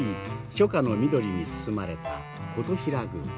初夏の緑に包まれた金刀比羅宮。